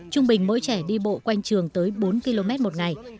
trung bình mỗi trẻ đi bộ quanh trường tới bốn km một ngày